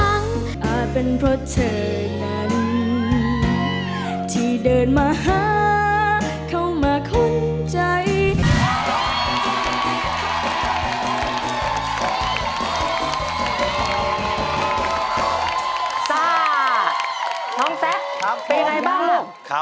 จ๋าน้องแซ็กเป็นไงบ้างลูก